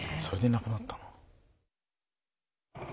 それでなくなったの。